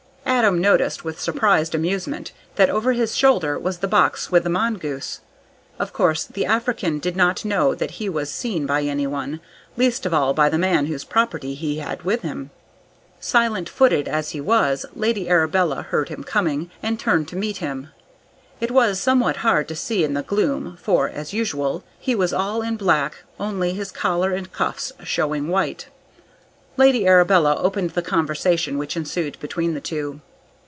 Adam noticed, with surprised amusement, that over his shoulder was the box with the mongoose. Of course the African did not know that he was seen by anyone, least of all by the man whose property he had with him. Silent footed as he was, Lady Arabella heard him coming, and turned to meet him. It was somewhat hard to see in the gloom, for, as usual, he was all in black, only his collar and cuffs showing white. Lady Arabella opened the conversation which ensued between the two.